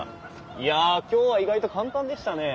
いや今日は意外と簡単でしたね。